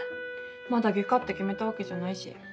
まだ外科って決めたわけじゃないし。